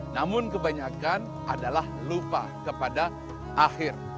namun kebanyakan adalah lupa kepada akhir